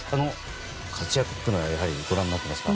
活躍というのはやはりご覧になっていますか？